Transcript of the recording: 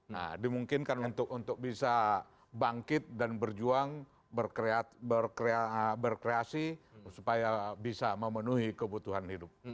nah dimungkinkan untuk bisa bangkit dan berjuang berkreasi supaya bisa memenuhi kebutuhan hidup